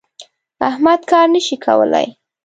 احمد کار نه شي کولای.